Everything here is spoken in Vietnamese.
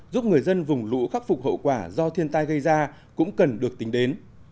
giúp người dân vùng lũ khắc phục hậu quả do thiên tai gây ra cũng cần được tính đến